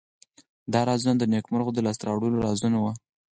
دا رازونه د نیکمرغیو د لاس ته راوړلو رازونه وو.